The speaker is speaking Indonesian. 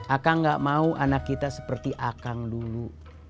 akang gak mau anak kita seperti akang dulu